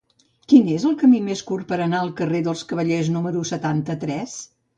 Quin és el camí més curt per anar al carrer dels Cavallers número setanta-tres?